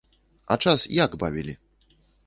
А час як бавілі?